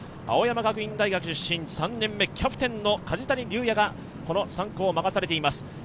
青山学院大学出身、３年目、キャプテンの梶谷瑠哉がこの３区を任されています。